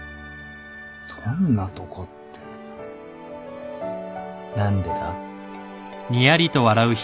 どんなとこって何でだ？